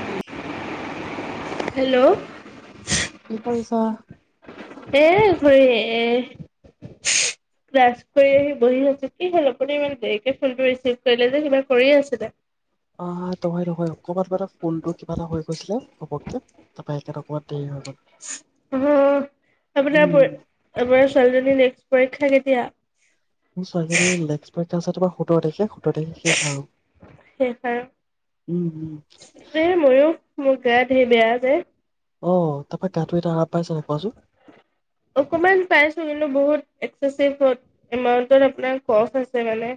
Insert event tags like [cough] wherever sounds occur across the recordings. Hello, hello, কি কৰিছা? এ খুড়ী এ ক্লাছ কৰি আহি বহি আছো কি হল আপুনি ইমান দেৰিকে ফোনটো ৰিচিভ কৰিলে যে কিবা কৰি আছিলে? আহ নহয় নহয় অকমান মানে ফোনটো কিবা এটা হৈ গৈছিলে ঘপককে। তাৰপৰা সেইকাৰণে অকমান দেৰি হৈ গ'ল। অ, আপোনাৰ [unintelligible] উম আপোনাৰ ছোৱালীজনী টেষ্ট পৰীক্ষা কেতিয়া? [unintelligible] ছয় তাৰিখে [unintelligible] তাৰপিছত তোমাৰ সো সোতৰ তাৰিখে -সোতৰ তাৰিখে শেষ আৰু। শেষ আৰু উম উম এ ময়ো মোৰ গা ঢেই বেয়া যে। অঁ। অকমান পাইছো কিন্তু বহুত। একছেছিভ এমাউন্টত আপোনাৰ কফ হৈছে মানে।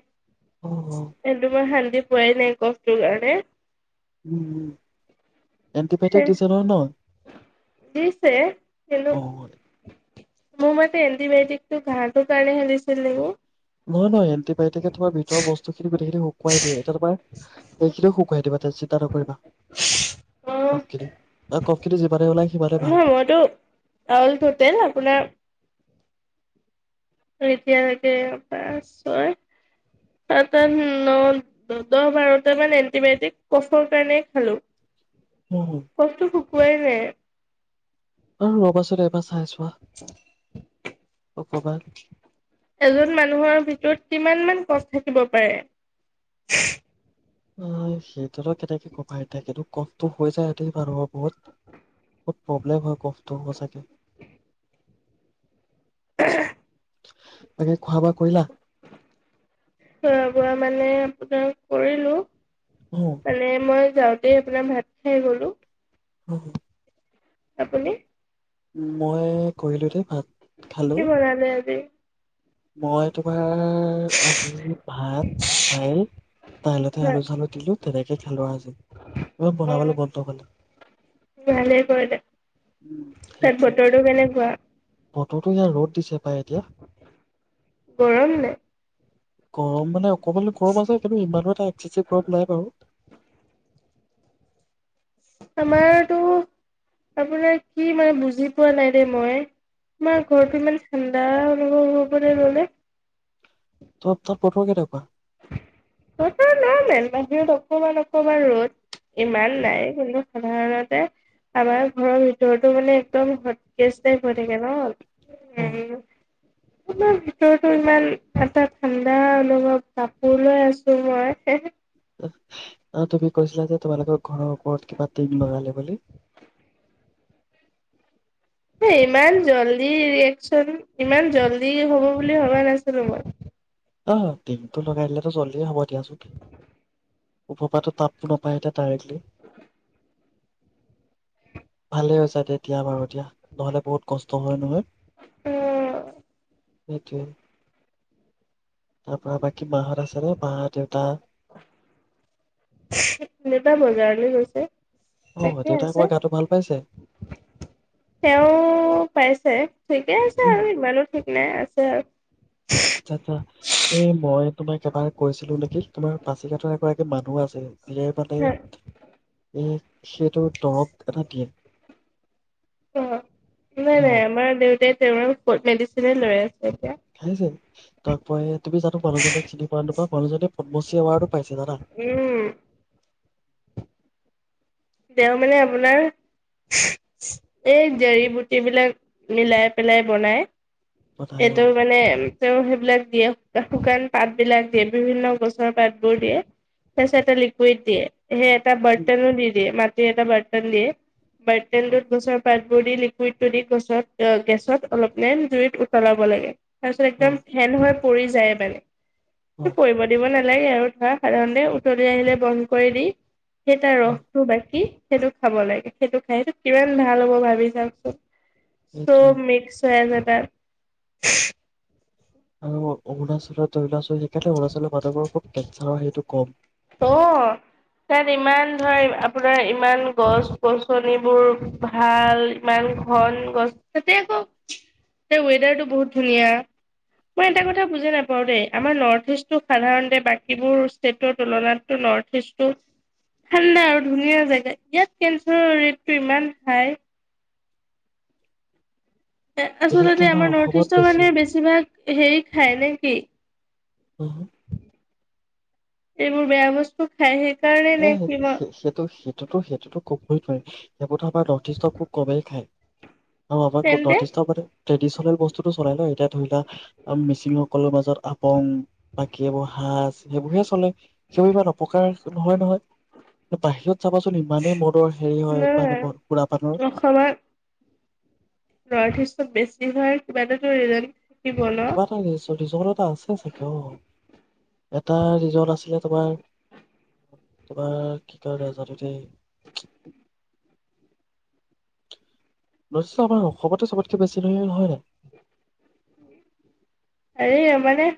অ অ [unintelligible] মই শান্তিত [unintelligible] নাই কফ তোৰ কাৰাণে উম উম। এণ্টিবায়টিক দিছে নহয় ন, দিছে কিন্তু অ' মোৰ মতে এণ্টিবায়টিকটো ঘাঁটোৰ কাৰণেহে দিছিল নেকি। নহয় নহয় এণ্টিবায়টিকে তোমাৰ ভিতৰৰ বস্তুখিনি গোটখিনি শুকুৱাই দিয়ে। এতিয়া তোমাৰ সেইখিনিও শুকুৱাই দিব তুমি চিন্তা নক নকৰিবা। অ [unintelligible] কফ খিনি যিমানে ওলাই সিমানে ভাল। নহয় মইতো আউল টোটেল আপোনাৰ এতিয় লেকে পাঁচ, ছয়, সাত, আঠ, ন, দহ, বাৰটা মান এণ্টিবায়টিক কফৰ কাৰণেই খালো। উম, কফটো শুকুৱাই নাই। আৰু ৰ'বাচোন এপ অকমান এজন মানুহৰ ভিতৰত কিমানমান কফ থাকিব পাৰে? অ' সে সেইটো কেনেকে কবা এতিয়া সেইটো কফটো হৈ যায়। সেইটো মানুহৰ বহুত বহুত প্ৰব্লেম হয় কফটো সচাকে। এ বাকী খোৱা বোৱা কৰিলা? খোৱা বোৱা মানে কৰিলো। উম, মানে মই যাওঁতে আপোনাৰ ভাত খাই গলো। অ'। আপুনি? মই কৰিলো দেই ভাত- খালো। কি বনালে আজি? মই তোমাৰ এ আজি ভাত দাইল দাইলতে হয় আলু চালো দিলো তেনেকে খালো আজি ইমান উম বনাবলে মন নগলে। ভালেই কৰিলে। তাত সেইটোৱে, বতৰটো কেনেকুৱা? বতৰতো ইয়াত ৰ'দ দিছে। পাই এতিয়া। গৰম নে? গৰম মানে অকনমান গৰম আছে কিন্তু ইমানো এটা একশ্বিসিপ গৰম নাই বাৰু। আমাৰতো আপোনাৰ কি মানে বুজি পোৱা নাই দে মই। আমাৰ ঘৰটো ইমান ঠাণ্ডা অনুভৱ হ'বলে ল'লে তাত বতৰ কেনেকুৱা? বতৰ নাইমানে অকমান অকমান ৰ'দ। ইমান নাই বোলো। সাধাৰণতে‌ আমাৰ ঘৰৰ ভিতৰতো‌ মানে একদম হটকেছ টাইপ হৈ থাকে ন। অ', উম। আমাৰ ভিতৰতো ইমান এটা ঠাণ্ডা অনুভৱ কাপোৰ লৈ আছো [unintelligible] অ', তুমি কৈছিলা যে, তোমালোকৰ ঘৰৰ ওপৰত কিবা টিং লগালে বুলি। ইমান জল্দি ৰিয়েকচন, ইমান জল্দি হ'ব বুলি ভবা নাছিলো মই অ', দিনটো লগাই দিলেতো, জল্দিয়েই হ'ব, দিয়াচোন। উপপাতটো তাপটো নাপায় এতিয়া, ডাইৰেক্টলি ভালেই হৈছে দে এতিয়া বাৰু, এতিয়া নহ'লে, বহুত কষ্ট হয়, নহয় অ' সেইটোৱে তাৰ পৰা, বাকী মাহঁত আছে নে? মা দেউতা দেউতা বজাৰলৈ গৈছে অ তাকে দেউতাই আছে। তোমাৰ গাটো ভাল পাইছে তেওঁ পাইছে ঠিকেই আছে। উম আৰু, ইমানো ঠিক নাই, আছ যে আচ্ছা, আচ্ছা। এই, মই তোমাক এবাৰ কৈছিলোঁ নেকি? তোমাৰ পাছিঘাটৰ এগৰাকী মানুহ আছে যিয়ে মানে‌ হা এই সেইটো দৰৱ এটা দিয়ে অ। নাই, এই হ নাই। আমাৰ দেউতাই তেওঁ [unintelligible] মেডিচিনে লৈ আছ খাইছে। তাৰ পৰাই‌ তুমি জানো মানুহজনক চিনি পোৱা নে নোপোৱা? মানুহজনে পদ্মশ্ৰী এৱাৰ্ডো পাইছে‌ জানা? উম, তেওঁ‌ মানে আপোনাৰ এই জাৰি‌ বুটি বিলাক মিলাই পেলাই বনায় অ তাই অ এইটো‌ মানে‌ তেওঁ সেইবিলাক দিয়ে শুকান পাতবিলাক দিয়ে। বিভিন্ন গছৰ পাতবোৰ দিয়ে। তাৰপিছতে লিকুইড দিয়ে। হে, এটা উম, বৰ্তনো দি মাটিৰ এটা বৰ্তন দিয়ে [unintelligible] অ টোত গছৰ পাত বদি লিকুইডটো দি, গেছত অলপ টাইম জুইত উতলাব লাগে। তাৰ পিছত, অ একদম ফেন হয়। পৰি যায়। অ বেলেগ পৰিব দিব না নালাগে আৰু ধৰা, সাধাৰণতে উতলি আহিলে, বন্ধ কৰি দি কেইটা অ। ৰখ কি সেইটো খাব লাগে সেইটো খাইটো কিমান ভাল হ'ব ভাবি চাওচোন। সেইটোৱে চব' মিক্স হৈ আছে। তাত, আৰু অৰুণাচলৰ ত ত' সেইকাৰণে অৰুাচী মানহবোৰ খুব কেঞ্চাৰৰ সেইটো, কম অ' তাত ইমান ধয় আপোনাৰ ইমান গছ-গছনিবোৰ ভাল ইমান ঘন গছ ততে আকৌ ৱেডাৰটো বহুত ধুনীয়া মই এটা কথা বুজি নাপাওঁ দেই আমাৰ নৰ্থ ইষ্টটো সাধাৰণতে বাকীবোৰ ষ্টেটত তুলনাতটো নৰ্থ ইষ্টটো ঠাণ্ডা আৰু ধুনীয়া জেগা ইয়াত কেঞ্চাৰৰ ৰেটটো ইমান হাই বিশেষকে আচলতে আমাৰ নৰ্থ অসমত ইষ্টৰ বেছি মানুহে বেছিভাগ হেৰি। হাই নেকি? উম, এইবোৰ বেয়া বস্তু খাইহে। এ সেইটো-সেইটোতো-সেইটোতো কবই নোৱাৰি। সেইবোৰো আমাৰ নৰ্থিষ্ট খুব কমেই খায়? অ' আকৌ আমাৰ তেন্তে নৰ্থিষ্ট মানুহ ট্ৰেদিচনেল বস্তু বস্তুটো চলাই লয় এতিয়া ধৰি লোৱা মিচিংসকলৰ মাজত আপং বাকী এইবোৰ সাজ সেইবোৰহে চলে সেইবাবেই ইমান অপকাৰ। নহয়-নহয় বাহিৰত চাবাচোন ইমানেই মদৰ হেৰি হয় মানে নহয় ম খুৰা পানৰ। অসমত নৰ্থ ইষ্ট চব বেছি হয় কিবা টো কিয় নাজানো কিবা এটা ৰিজন এটা আছে চাগে অ এটা ৰিজন আছিলে তোমাৰ তোমাৰ কি কয় নাজানো দেই। নিশ্চয় আমাৰ খবৰটো চবতকৈ বেছি নহয় জানো। অৰে মানে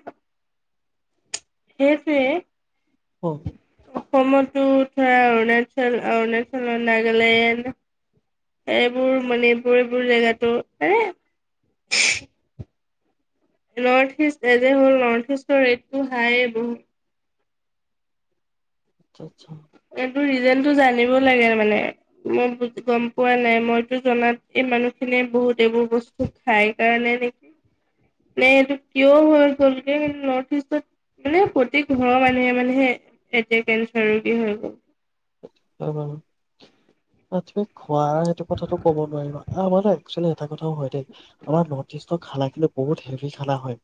অ সেইটোৱে অসমতটো। ধৰা অৰুণাচল, অৰুণাচল-নাগালেণ্ড এইবোৰ মণিপুৰ এইবোৰ জেগাতো পাৰে। নৰ্থ-ইষ্ট এ যে হ'ল নৰ্থ-ইষ্টৰ ৰেটটো হাইয়ে বহুত। আচ্ছা আচ্ছা। এইটো ৰিজনটো যায়। জানিব লাগে মানে, মই গম পোৱা নাই। মইতো জনাত এই মানুহ খিনিয়ে বহুত এইবোৰ বস্তু খাই কাৰণে নেকি, নে এইটো কিয় হৈ গ'লগে নৰ্থ-ইষ্টত মানে প্ৰতি ঘৰৰ মানুহে-মানুহে এতিয়া কেঞ্চাৰ কি হয় [unintelligible] [unintelligible] খোৱাৰ সেইটো কথাটো কব নোৱাৰিবা। আমাৰ একচুৱেলি এটা কথাও হয় দেই, আমাৰ নৰ্থ-ইষ্টৰ খানা কিন্তু বহুত হেভি খানা হয়।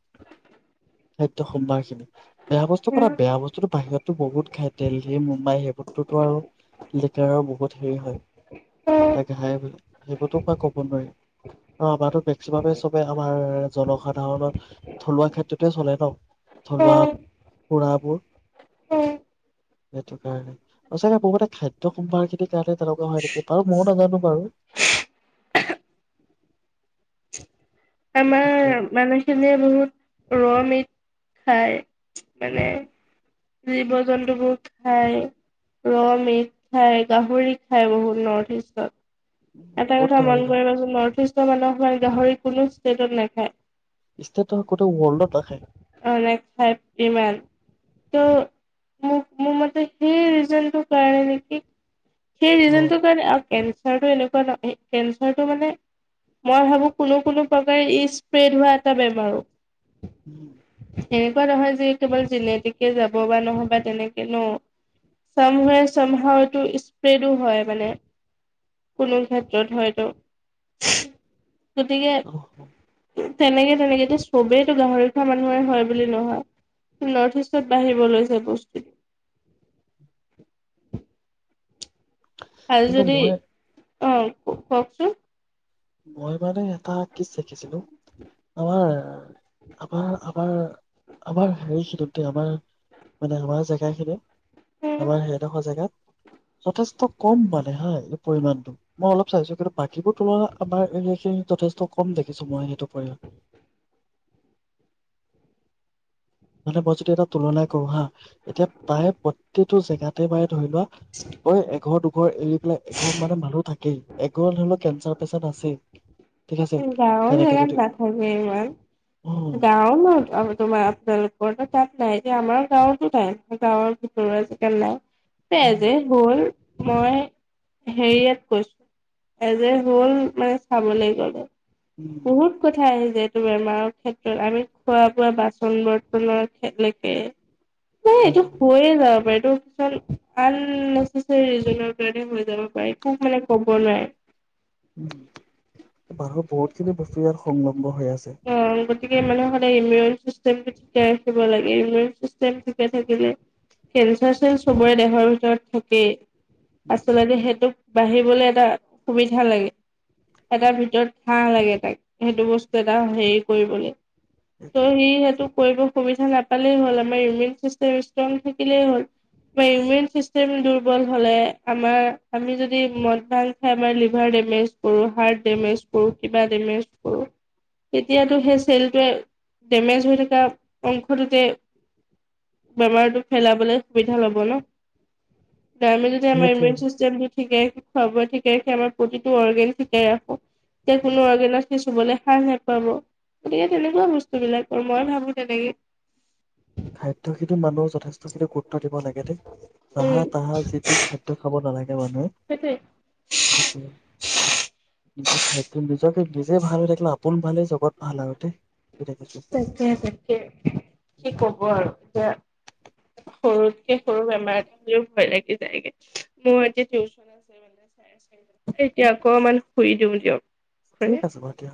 খাদ্য-সম্ভাৰ খিনি। বেয়া বস্তু কথা [unintelligible] বেয়া বস্তুটো বাহিৰতটো বহুত খাই দেল্হি, মুম্বাই সেইবোৰত। আৰু [unintelligible] বহুত হেৰি হয়। তাকেই খায় বোলে, সেইবোৰতো মই ক'ব নোৱাৰিম। অ', এবাৰটো [unintelligible] [unintelligible] চবে আমাৰ জনসাধাৰণত থলুৱা খাদ্যটোৱে চলে ন'। থলুৱা খুড়াবোৰ উম। সেইটো কাৰণে। সঁচাকে বহুতে খাদ্য সম্ভাৰ সেতি তেতিয়াহ'লে তেনেকুৱা হয় নেকি বাৰু ময়ো নাজানো বাৰু। [inaudible] আমাৰ সেইটোৱে মানুহখিনিৰ বহুত ৰ' মিট খায়। মানে জীৱ-জন্তুবোৰ খায়, ৰ' মিট খায়, গাহৰি খায় বহুত ন'ৰ্থ ইষ্টত। এটা বহুত কথা গাহৰি মন খায় কৰিবচোন ন'ৰ্থ ইষ্ট মানুহ [unintelligible] গাহৰি কোনো ষ্টেটত নাখায়। ষ্টেটত গোটেই ৱ'ৰ্ল্ডত নাখায়। কিয় মো মোৰ মতে সেই ৰিজন তোৰ কাৰণে নেকি সেই অ ৰিজনটোৰ কাৰণে আৰু এম কেঞ্চাৰটো এনেকুৱা ন' কেঞ্চাৰটো মানে মই ভাবো কোনো কোনো প্ৰকাৰে ই স্প্ৰেড হোৱা এটা বেমাৰো। উম। এনেকুৱা নহয় যে কেৱল জেনেটিকে যাব বা নহয় বা তেনেকে ন' চামওৱেচ চামহাও এইটো ইচ পেইডো হয় মানে কোনো ক্ষেত্ৰত হয়তো। গতিকে অ তেনেকে তেনেকে এতিয়া চবেইতটো গাহৰি খোৱা মানুহৰে হয় বুলি নহয়। নৰ্থ ইষ্টত বাঢ়িব লৈছে বস্তু ভাল কিন্তু যদি মই অ', কওঁকচোন। মই মানে এটা কি শিছিলো আমাৰ। আমাৰ- আমাৰ- আমাৰ হেৰি খিনিত আমাৰ মানে আমাৰ জেগা খিনিত। আমাৰ সেইডোখৰ জেগাত। যথেষ্ট কম মানে হাই এই পৰিমানটো মই অলপ চাইছো কিন্তু বাকীবোৰ তলা আমাৰ এইখিনি যথেষ্ট কম দেখিছো মই সেইটো পৰিয়াল। মানে মই যদি এটা তুলনাই কৰো হা এতিয়া প্ৰায় প্ৰত্যেক টো জেগাতে বাৰ ধৰি লোৱা কৰে এঘৰ দু ৰ এৰি পে এখন মানে মানুহ থাকেই। এগজন হৰি লওক কেঞ্চাৰ পেচেণ্ট আছিল। উম, গাৱৰ জেগাত নাথাকে ইমান উম গাও ন তোমাৰ আপোনালোক। ৰত তাত নাই যেতিয়া আমাৰ। গাৱতো নাই গাৱৰ ভিতৰত আজিকালি নাই তে উম যে হৰ মই হেৰিয়াত কৈছো এজ এহ, হল মানে চাবলৈ গলে। উম বহুত কথা আহি যে। বেমাৰৰ ক্ষেত্ৰত আমি খোৱা বোৱা বাচন বৰ্তনৰ কলৈকে। এই, হয় এইটো হয়, হৈয়ে যাব পাৰে। কি আন কাৰণ হৈ যাব পাৰে খব মানে কব নোৱাৰে [unintelligible] বাৰৰ বহুতখিনি বস্তু ইয়াৰ সংলগ্ন হৈ আছে। অ', গতিকে মানহে সদায় ইমিউন চিষ্টেম ঠিকে ৰাখিব লাগে ইমিউন চিষ্টেম ঠিকে থাকিলে কেঞ্চাৰ চন চবৰে দেহৰ ভিতৰত থাকে আচলতে সেইটোক বাঢ়িবলৈ এটা সুবিধা লাগে। এটটা ভিতৰত ঘাহ লাগে তাক সেইটো বস্তু এটা হেৰি কৰিবলৈ। ত সি সেইেতটোক কৰিব সুবিধা নাপালেই হ'ল আমাৰ ইমিউন চিষ্টেম ষ্ট্ৰং থাকিলেই হ'ল আমাৰ ইমিউন চিষ্টেম দুৰ্বল হলে আমাৰ আমি যদি মদ ভাং খাই আমাৰ লিভাৰ ডেমেজ কৰো হাৰ্ট ডেমেজ কৰো কিবা ডেমেজ কৰো। তেতিয়াতো সেই চেলটোৱে ডেমেজ হৈ থকা অংশটোতে বেমাৰটো পেলাবলৈ সুবিধা ল'ব ন। ডেমেজ সেইটোৱে এমাইমেণ্ট চিষ্টেম। শিকাই খাব ঠিকে ৰাখে আমাৰ প্ৰতিটো অৰ্গেন শিকাই ৰাখো। তে কোনো [unintelligible] হবল ভাল নোপাব গতিকে তেনেকুৱা বস্তুবিলাক আৰু মই ভাবো তেনেকে। খাদ্যয় খিনু মানুহে যথেষ্ট খিনি গুৰুত্ব দিব লাগে দেই তাহা উম তাহা যি খাদ্যয় খাব নালাগে। দ ন সেইটোৱে। সটো নিজৰ খাদ্য নিজকে নিজে ভাল হৈ ৰাখনা। আপোন ভালে জগত ভাল আৰু দেই দেখিছো তাকে তাকে কি কব আৰু এতিয়া সৰুতকে সৰু বেমাৰ এটা বুলিও ভয় লাগি যায়গে মোৰ এতিয়া টিউচন আছে মানে চ চ এতিয়া অকমান শুই দিওঁ দিয়ক ঠিক আছে, খুৰী। বাৰু দিয়া।